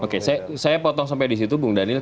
oke saya potong sampai di situ bung daniel